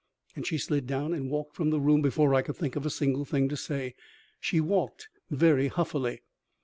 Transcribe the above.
and she slid down and walked from the room before I could think of a single thing to say. She walked very huffily.